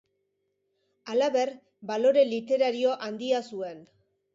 Halaber, balore literario handia zuen.